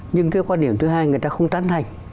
nhưng cái quan điểm thứ hai người ta không tán thành